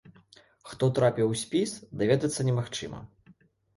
Хто трапіў у спіс, даведацца немагчыма.